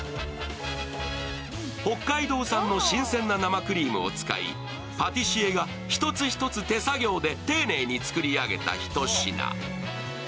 北海道産の新鮮な生クリームを使いパティシエが一つ一つ手作業で丁寧に作り上げた一品。